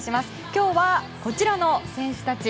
今日はこちらの選手たち。